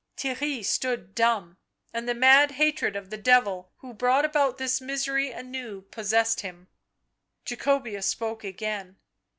Theirry stood dumb, and the mad hatred of the devil who had brought about this misery anew possessed him. Jacobea spoke again.